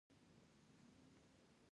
لوگر د افغانستان یوه طبیعي ځانګړتیا ده.